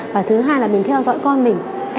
và thứ hai là mình theo dõi con mình